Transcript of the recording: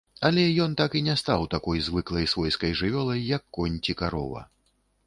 Але ён так і не стаў такой звыклай свойскай жывёлай, як конь ці карова.